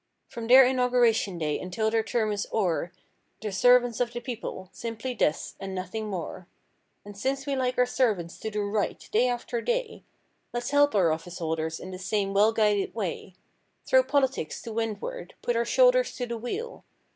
From their inauguration day until their term is o'er. They're servants of the people—simply this and nothing more; And since we like our servants to do right, day after day. Let's help our office holders in the same well guided way. Throw politics to windward. Put our shoulders to the wheel.